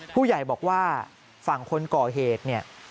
ผู้ใหญ่บอกว่าฝั่งคนก่อเหตุเนี่ย